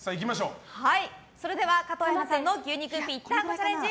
それでは加藤綾菜さんの牛肉ぴったんこチャレンジ